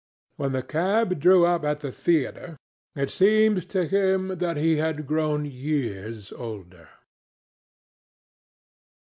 When the cab drew up at the theatre, it seemed to him that he had grown years older.